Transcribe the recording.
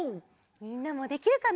みんなもできるかな？